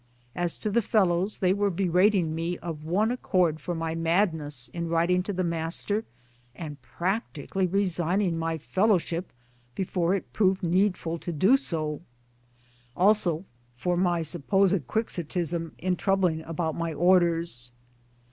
As to the Fellows they were berating me of one accord for my madness in writing to the Master and practically resigning my Fellow ship before it was proved needful to do so ; also for my supposed Quixotism 1 in troubling about my Orders.